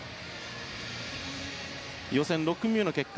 予選６組目の結果